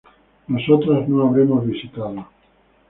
Nosotras no habremos visitado